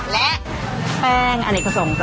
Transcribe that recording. และแป้งอันนี้เขาส่งจ้ะ